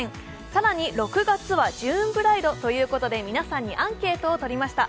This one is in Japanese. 更に６月はジューンブライドということで皆さんにアンケートを取りました。